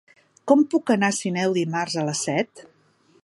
Com puc anar a Sineu dimarts a les set?